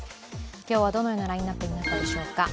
今日はどのようなラインナップになったでしょうか。